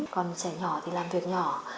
còn trẻ nhỏ thì làm việc nhỏ